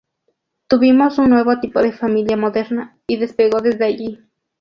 Tuvimos un nuevo tipo de familia moderna, y despegó desde allí".